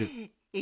え？